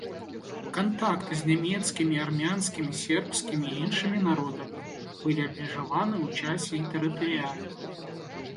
Кантакты з нямецкімі, армянскімі, сербскімі і іншымі народамі былі абмежаваны ў часе і тэрытарыяльна.